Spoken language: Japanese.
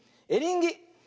エリンギ。